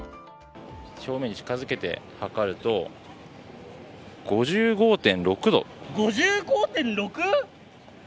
表面に近づけて測ると５５．６度。